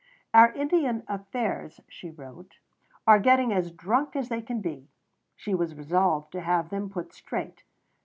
"Our Indian affairs," she wrote, "are getting as drunk as they can be"; she was resolved to have them put straight.